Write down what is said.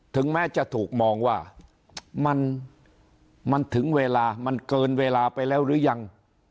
ถึงแม้จะถูกมองว่ามันถึงเวลามันเกินเวลาไปแล้วหรือยัง